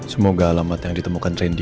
semoga alamat yang ditemukan trendy